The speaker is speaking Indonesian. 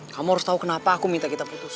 kamu harus tahu kenapa aku minta kita putus